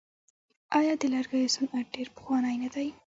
آیا د لرګیو صنعت ډیر پخوانی نه دی؟